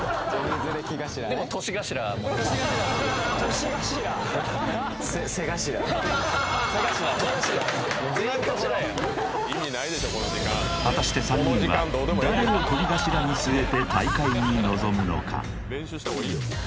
年頭は背頭果たして３人は誰をとり頭に据えて大会に臨むのか？